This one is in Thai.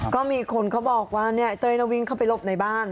ก็มีคนเขาบอกว่าเนี่ยเต้ยเราวิ่งเข้าไปหลบในบ้าน